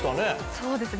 そうですね